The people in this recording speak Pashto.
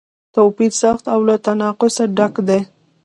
توپیر سخت او له تناقضه ډک دی.